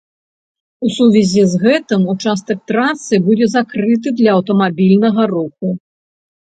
У сувязі з гэтым участак трасы будзе закрыты для аўтамабільнага руху.